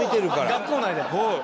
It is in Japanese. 学校内で。